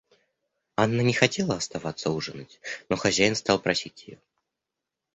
Анна не хотела оставаться ужинать, но хозяин стал просить ее.